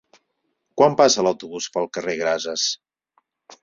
Quan passa l'autobús pel carrer Grases?